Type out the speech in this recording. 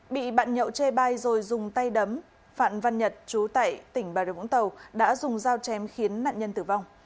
bị bạn nhậu chê bai rồi dùng tay đấm phạm văn nhật chú tại tỉnh bà rìa vũng tàu đã dùng dao chém khiến nạn nhân tử vong